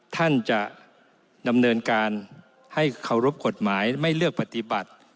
ท่านจะดำเนินการให้เคารพกฎหมายไม่เลือกปฏิบัติ